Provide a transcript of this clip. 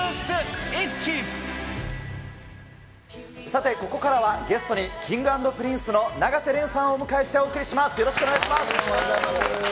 さて、ここからはゲストに、Ｋｉｎｇ＆Ｐｒｉｎｃｅの永瀬廉さんをお迎えしてお送りします。